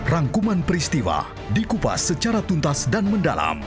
rangkuman peristiwa dikupas secara tuntas dan mendalam